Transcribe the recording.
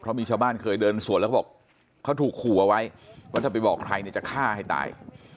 เพราะมีชาวบ้านเคยเดินสวนแล้วเขาบอกเขาถูกขู่เอาไว้ว่าถ้าไปบอกใครเนี่ยจะฆ่าให้ตาย